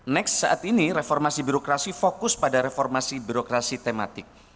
next saat ini reformasi birokrasi fokus pada reformasi birokrasi tematik